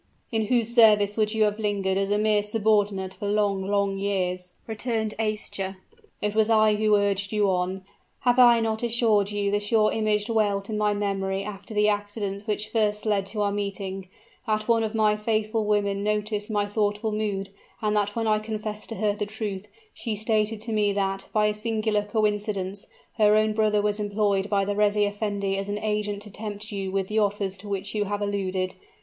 "In whose service you would have lingered as a mere subordinate for long, long years," returned Aischa. "It was I who urged you on. Have I not often assured you that your image dwelt in my memory after the accident which first led to our meeting that one of my faithful women noticed my thoughtful mood and that when I confessed to her the truth, she stated to me that, by a singular coincidence, her own brother was employed by the reis effendi as an agent to tempt you with the offers to which you have alluded?